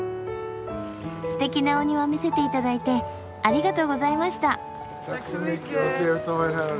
ステキなお庭見せていただいてありがとうございました。